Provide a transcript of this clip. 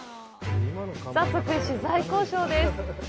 早速、取材交渉です